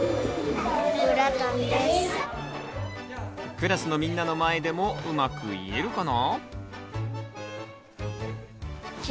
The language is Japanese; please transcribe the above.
クラスのみんなの前でもうまく言えるかな？